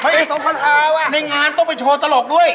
อีก๒คนพาวอะนะในงานต้องไปโชว์ตลกด้วย